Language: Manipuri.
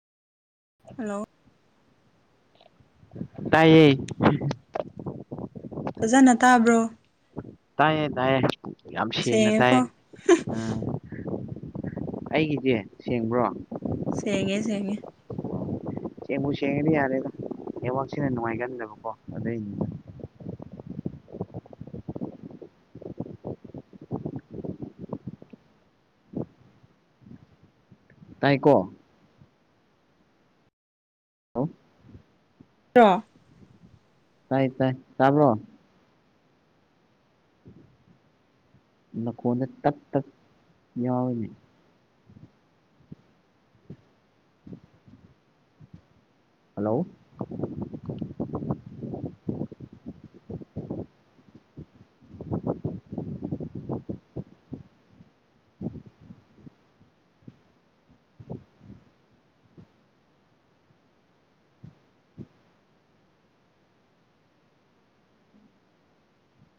ꯍꯜꯂꯣ ꯇꯥꯏꯌꯦ ꯐꯖꯅ ꯇꯥꯕ꯭ꯔꯣ ꯇꯥꯏꯌꯦ ꯇꯥꯏꯌꯦ ꯌꯥꯝ ꯁꯦꯡꯅ ꯁꯦꯡꯉꯦꯀꯣ ꯇꯥꯏꯌꯦ ꯑ ꯑꯩꯒꯤꯗꯤ ꯁꯦꯡꯕ꯭ꯔꯣ ꯁꯦꯡꯉꯦ ꯁꯦꯡꯉꯦ ꯁꯦꯡꯕꯨ ꯁꯦꯡꯉꯗꯤ ꯌꯥꯔꯦꯗ ꯅꯦꯋꯥꯛꯁꯤꯅ ꯅꯨꯡꯉꯥꯏꯒꯟꯗꯕꯀꯣ ꯑꯗꯨꯏꯅꯤ ꯇꯥꯏꯀꯣ ꯍꯜꯂꯣ [unintelligible] ꯇꯥꯏꯌꯦ ꯇꯥꯏ ꯇꯥꯕ꯭ꯔꯣ ꯅꯈꯣꯟꯗ ꯇꯠ ꯇꯠ ꯌꯥꯎꯔꯤ ꯍꯜꯂꯣ